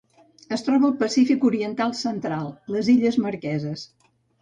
Es troba al Pacífic oriental central: les illes Marqueses.